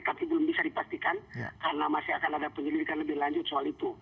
tapi belum bisa dipastikan karena masih akan ada penyelidikan lebih lanjut soal itu